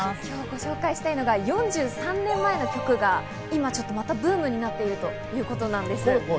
今日、ご紹介したいのが４３年前の曲が今、ちょっとまたブームになっているということなんです。